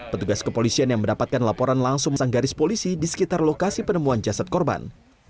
petugas kepolisian yang mendapatkan laporan langsung sang garis polisi di sekitar lokasi penemuan jasad korban